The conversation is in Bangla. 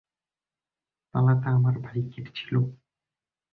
তালাটা আমার বাইকের ছিল।